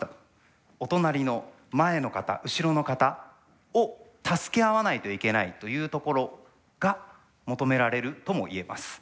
お隣の前の方後ろの方を助け合わないといけないというところが求められるともいえます。